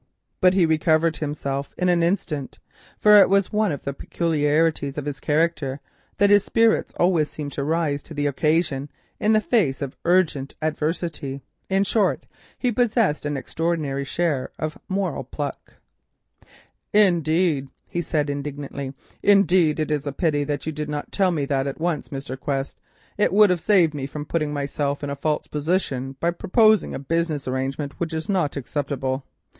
But he recovered himself in an instant, for it was one of the peculiarities of his character that his spirits always seemed to rise to the occasion in the face of urgent adversity—in short, he possessed an extraordinary share of moral courage. "Indeed," he said indignantly, "indeed, it is a pity that you did not tell me that at once, Mr. Quest; it would have saved me from putting myself in a false position by proposing a business arrangement which is not acceptable.